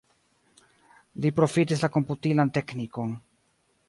Li profitis la komputilan teknikon.